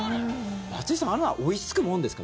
松井さんあれは追いつくものですか？